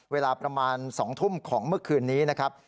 เวลาประมาณ๒ทุ่มของเมื่อคืนนี้นะครับ